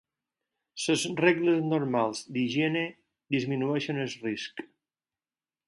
Les regles normals d'higiene disminueixen el risc.